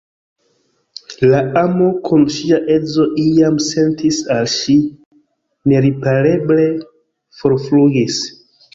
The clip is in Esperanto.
La amo, kiun ŝia edzo iam sentis al ŝi, neripareble forflugis.